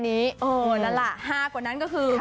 เออนั่นล่ะ๕กว่านั้นก็คือ